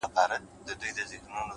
ښه ملګری پټه شتمني ده،